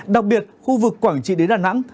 đặc biệt khu vực quảng trị đến đà nẵng